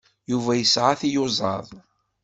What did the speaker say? Yuba yesɛa tiyuzaḍ.